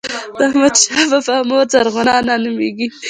د احمدشاه بابا مور زرغونه انا نوميږي.